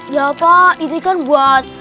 ya pak ini kan buat